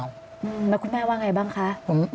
แล้วคุณแม่ว่าไงบ้างคะ